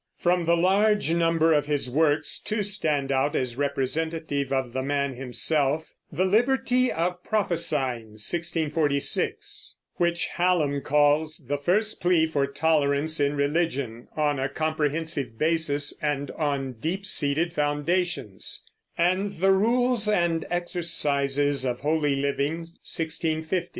From the large number of his works two stand out as representative of the man himself: The Liberty of Prophesying (1646), which Hallam calls the first plea for tolerance in religion, on a comprehensive basis and on deep seated foundations; and The Rules and Exercises of Holy Living (1650).